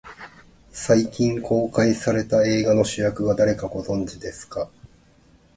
最近公開された映画の主役が誰か、ご存じですか。